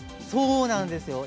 そうなんです。